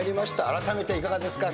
あらためていかがですか？